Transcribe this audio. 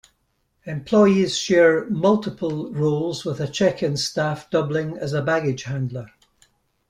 Employees share multiple roles with a check-in staff doubling as a baggage handler.